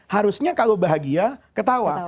harusnya kalau bahagia ketawa